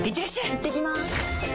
いってきます！